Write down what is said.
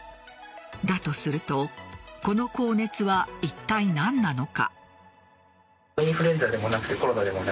だとすると、この高熱はいったい何なのか。